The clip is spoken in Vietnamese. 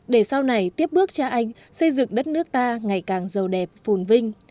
để sau này tiếp bước cha anh xây dựng đất nước ta ngày càng giàu đẹp phồn vinh